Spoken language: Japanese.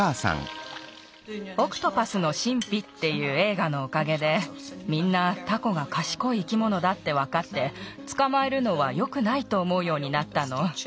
「オクトパスの神秘」っていうえいがのおかげでみんなタコがかしこい生き物だってわかってつかまえるのはよくないとおもうようになったの。